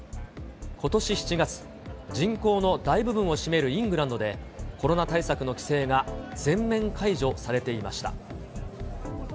ことし７月、人口の大部分を占めるイングランドで、コロナ対策の規制が全面解除されていました。